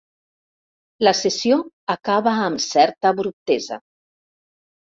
La sessió acaba amb certa abruptesa.